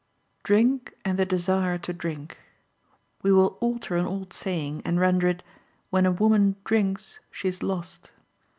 "Drink and the desire to drink." We will alter an old saying, and render it, "When a woman drinks she is lost."